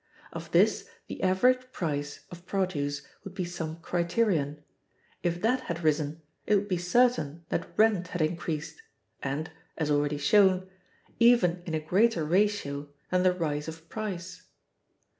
Of this the average price of produce would be some criterion: if that had risen, it would be certain that rent had increased, and (as already shown) even in a greater ratio than the rise of price.